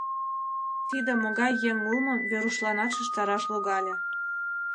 Тиде могай еҥ улмым Верушланат шижтараш логале.